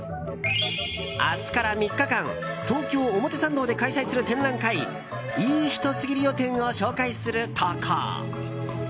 明日から３日間東京・表参道で開催する展覧会いい人すぎるよ展を紹介する投稿。